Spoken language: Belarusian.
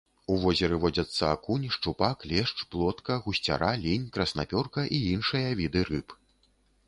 У возеры водзяцца акунь, шчупак, лешч, плотка, гусцяра, лінь, краснапёрка і іншыя віды рыб.